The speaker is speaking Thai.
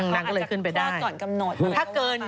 อ๋อแต่เขาก็อาจจะคลอดก่อนกำหนด